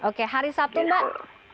oke hari sabtu mbak